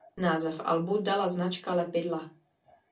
Název albu dala značka lepidla.